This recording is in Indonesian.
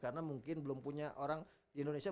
karena mungkin belum punya orang di indonesia